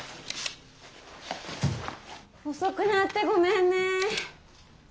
遅くなってごめんね。